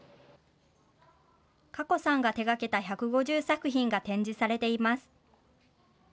かこさんが手がけた１５０作品が展示されています。